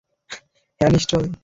হ্যাঁ, নিশ্চয়।